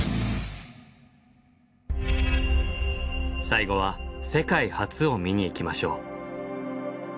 最後は世界初を見に行きましょう。